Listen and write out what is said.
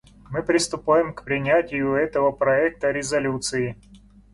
Мы приступаем к принятию этого проекта резолюции.